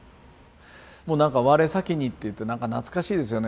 もうなんか我先にっていってなんか懐かしいですよね